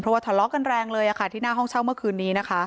เพราะว่าทะเลาะกันแรงเลยที่หน้าห้องเช่าเมื่อคืนนี้นะคะ